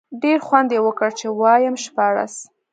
ډېر خوند یې وکړ، چې وایم شپاړس.